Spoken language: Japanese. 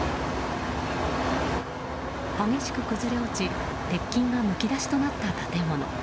激しく崩れ落ち鉄筋がむき出しになった建物。